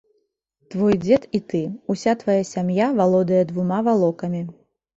Твой дзед і ты, уся твая сям'я валодае двума валокамі.